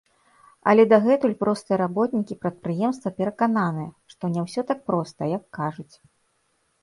Але дагэтуль простыя работнікі прадпрыемства перакананыя, што не ўсё так проста, як кажуць.